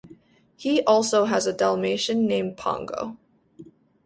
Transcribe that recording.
He also has a dalmatian named Pongo.